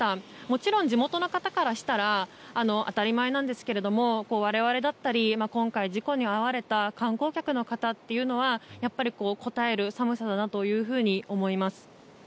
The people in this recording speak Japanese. もちろん地元の方からしたら当たり前なんですけど我々だったり今回、事故に遭われた観光客の方というのはこたえる寒さだなというふうに思います。